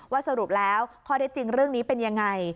สรุปแล้วข้อได้จริงเรื่องนี้เป็นยังไง